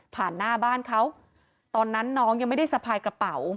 หน้าบ้านเขาตอนนั้นน้องยังไม่ได้สะพายกระเป๋า